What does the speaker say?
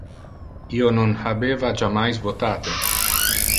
Io non habeva jammais votate.